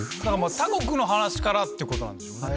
他国の話からってことなんでしょうね。